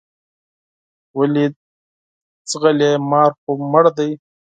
ولې ځغلې مار خو مړ دی.